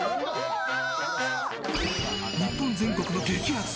日本全国の激アツ！